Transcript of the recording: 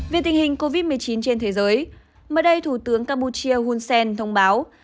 về tình hình covid một mươi chín trên thế giới mới đây thủ tướng campuchia hun sen thông báo